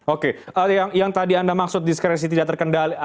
oke yang tadi anda maksud diskresi tidak terkendali